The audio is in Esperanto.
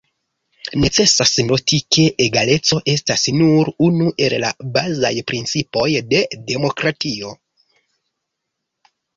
Necesas noti, ke egaleco estas nur unu el la bazaj principoj de demokratio.